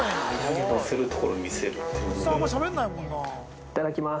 いただきます。